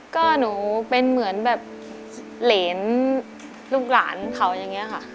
ก็หนูเป็นเหมือนแบบเหรนลูกหลานเขาอย่างนี้ค่ะ